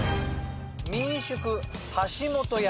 「民宿橋本屋」